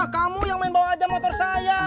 kamu yang main bawa aja motor saya